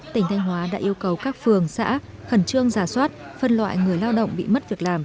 tỉnh thanh hóa đã yêu cầu các phường xã khẩn trương giả soát phân loại người lao động bị mất việc làm